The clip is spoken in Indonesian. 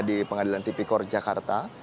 di pengadilan tipikor jakarta